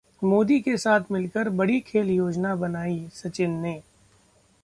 मोदी के साथ मिलकर बड़ी खेल योजना बनाई सचिन ने!